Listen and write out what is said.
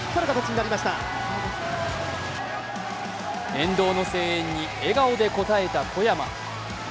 沿道の声援に笑顔で応えた小山。